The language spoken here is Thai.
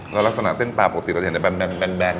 แล้วลักษณะเส้นปลาปกติเราจะเห็นแต่แบน